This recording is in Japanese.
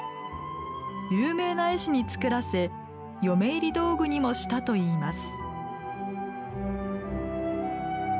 有名な絵師に作らせ嫁入り道具にもしたといいます。